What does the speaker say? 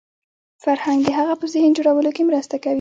فرهنګ د هغه په ذهن جوړولو کې مرسته کوي